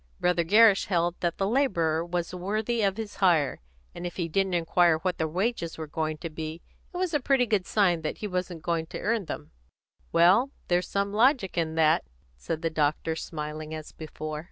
Brother Gerrish held that the labourer was worthy of his hire, and if he didn't inquire what his wages were going to be, it was a pretty good sign that he wasn't going to earn them." "Well, there was some logic in that," said the doctor, smiling as before.